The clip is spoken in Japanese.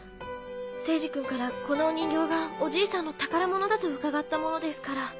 聖司君からこのお人形がおじいさんの宝物だと伺ったものですから。